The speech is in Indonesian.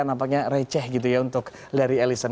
nampaknya receh gitu ya untuk larry ellison